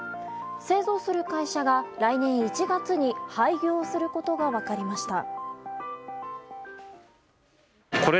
製造する会社が来年１月に廃業することが分かりました。